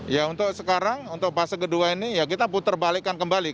ya untuk sekarang untuk fase kedua ini ya kita putar balikan kembali